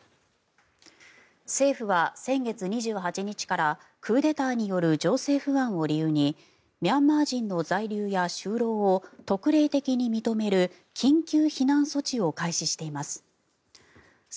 政府は、先月２８日からクーデターによる情勢不安を理由にミャンマーの在留や就労を特例的に認める緊急避難措置を開始しています。